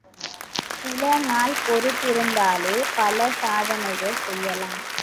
சில நாள் பொறுத்திருந்தாலே பல சாதனைகள் செய்யலாம்.